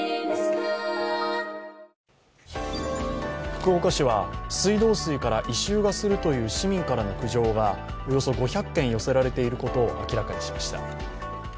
福岡市は、水道水から異臭がするという市民からの苦情がおよそ５００件寄せられていることを明らかにしました。